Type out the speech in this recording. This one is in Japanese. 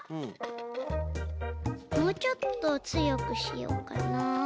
もうちょっとつよくしようかな。